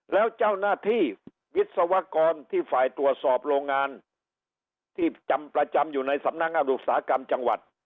แล้วเจ้าหน้าที่วิศวกรที่ฝ่ายตรวจสอบโรงงานที่จำประจำอยู่ในสำนักงานอุตสาหกรรมจังหวัด